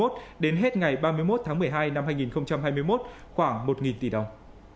đến hết ngày ba mươi một tháng một mươi hai năm hai nghìn hai mươi một khoảng một tỷ đồng